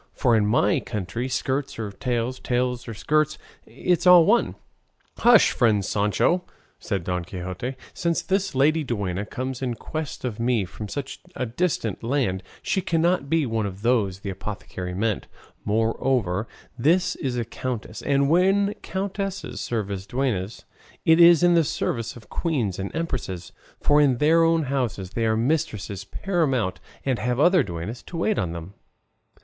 for in my country skirts or tails, tails or skirts, it's all one." "Hush, friend Sancho," said Don Quixote; "since this lady duenna comes in quest of me from such a distant land she cannot be one of those the apothecary meant; moreover this is a countess, and when countesses serve as duennas it is in the service of queens and empresses, for in their own houses they are mistresses paramount and have other duennas to wait on them."